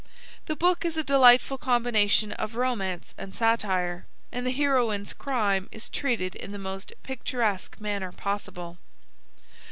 The book is a delightful combination of romance and satire, and the heroine's crime is treated in the most picturesque manner possible.